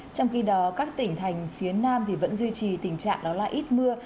trong khi đó các tỉnh thành phía nam vẫn duy trì tình trạng đó là ít mưa